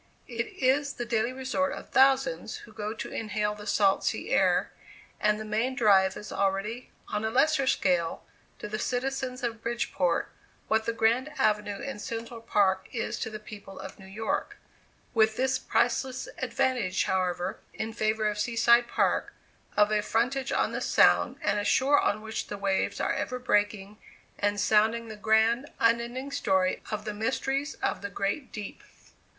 It is the daily resort of thousands, who go to inhale the salt sea air; and the main drive is already, on a lesser scale, to the citizens of Bridgeport, what the grand avenue in Central Park is to the people of New York; with this priceless advantage, however, in favor of Sea side Park, of a frontage on the Sound, and a shore on which the waves are ever breaking, and sounding the grand, unending story of the mysteries of the great deep.